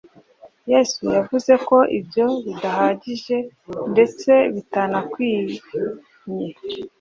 Yesu yavuze ko ibyo bidahagije ndetse bitanakwinye.